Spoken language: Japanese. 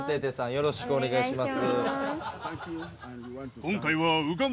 よろしくお願いします。